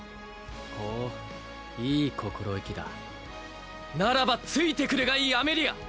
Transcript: ほういい心意気だならばついてくるがいいアメリア